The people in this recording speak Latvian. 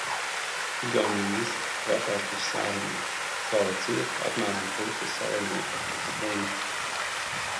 Igauņiem vistrakāk ir Sāremā, sala ciet, apmēram puse salinieku esot slimi.